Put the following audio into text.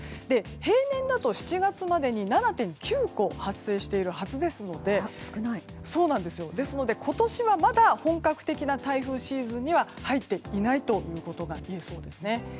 平年だと７月までに７．９個発生しているはずですので今年はまだ本格的な台風シーズンには入っていないということがいえそうですね。